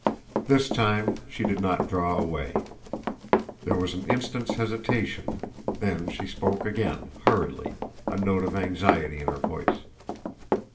This time she did not draw away. There was an instant's hesitation; then she spoke again hurriedly, a note of anxiety in her voice.